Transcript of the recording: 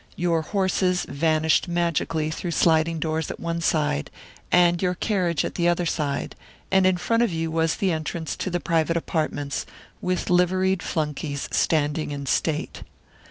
Your horses vanished magically through sliding doors at one side, and your carriage at the other side, and in front of you was the entrance to the private apartments, with liveried flunkies standing in state.